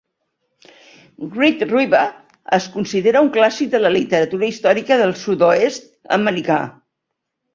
"Great River" es considera un clàssic de la literatura històrica del sud-oest americà.